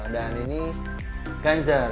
dan ini ganjar